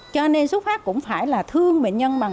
cho nên xuất phát cũng phải là thương bệnh nhân bằng